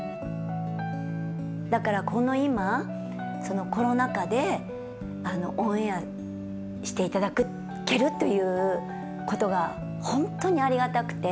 だからこの今コロナ禍でオンエアしていただけるということが本当にありがたくて。